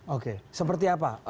oke seperti apa